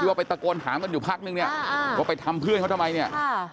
พี่ว่าไปตะโกนถามอยู่พักนึงว่าไปทำเพื่อนเขาทำไม